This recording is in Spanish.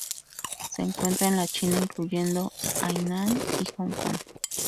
Se encuentra en la China, incluyendo Hainan y Hong Kong.